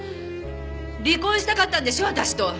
離婚したかったんでしょ私と。